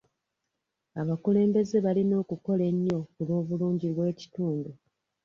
Abakulembeze balina okukola ennyo ku lw'obulungi bw'ekitundu.